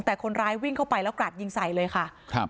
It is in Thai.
แต่คนร้ายวิ่งเข้าไปแล้วกราดยิงใส่เลยค่ะครับ